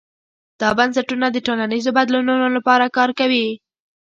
دا بنسټونه د ټولنیزو بدلونونو لپاره کار کوي.